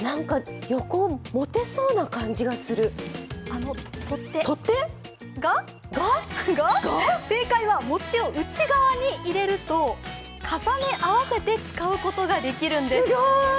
横、持てそうな感じがする、取っ手が正解は持ち手を内側に入れると重ね合わせて使うことができるんです。